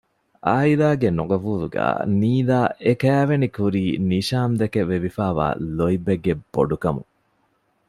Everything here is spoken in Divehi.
އާއިލާގެ ނުޤަބޫލުގައި ނީލާ އެ ކައިވެނި ކުރީ ނިޝާމްދެކެ ވެވިފައިވާ ލޯތްބެއްގެ ބޮޑުކަމުން